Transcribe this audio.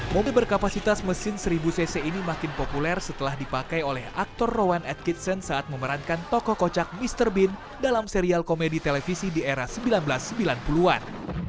mobil berkapasitas mesin seribu cc ini makin populer setelah dipakai oleh aktor roy at kidson saat memerankan tokoh kocak mr bin dalam serial komedi televisi di era seribu sembilan ratus sembilan puluh an